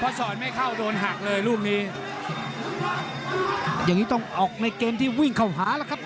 สอดไม่เข้าโดนหักเลยลูกนี้อย่างนี้ต้องออกในเกมที่วิ่งเข้าหาแล้วครับ